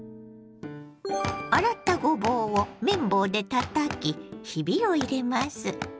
洗ったごぼうを麺棒でたたきひびを入れます。